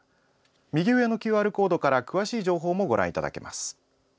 右上のＱＲコードから詳しい情報もご覧いただけます。